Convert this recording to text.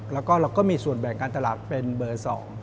แล้วก็เราก็มีส่วนแบ่งการตลาดเป็นเบอร์๒